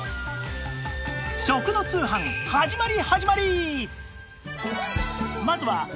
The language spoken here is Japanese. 食の通販始まり始まり！